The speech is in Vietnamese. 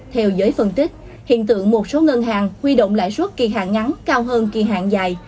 theo giới phân tích hiện tượng một số ngân hàng huy động lãi suất kỳ hạn ngắn cao hơn kỳ hạn dài